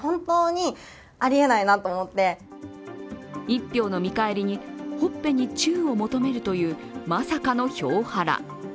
一票の見返りにほっぺにチューを求めるというまさかの票ハラ。